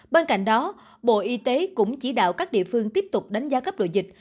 bên cạnh đó bộ y tế cũng chỉ đạo các địa phương tiếp tục đánh giá cấp độ dịch